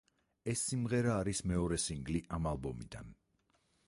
ეს სიმღერა არის მეორე სინგლი ამ ალბომიდან.